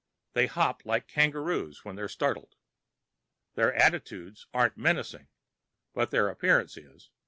They hop like kangaroos when they're startled. Their attitudes aren't menacing, but their appearance is.